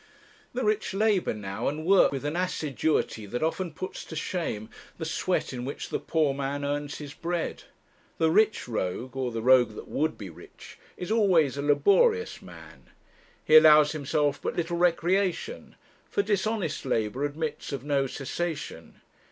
The rich labour now, and work with an assiduity that often puts to shame the sweat in which the poor man earns his bread. The rich rogue, or the rogue that would be rich, is always a laborious man. He allows himself but little recreation, for dishonest labour admits of no cessation.